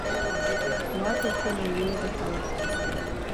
Ауадаҿы анеиҩеира салагеит.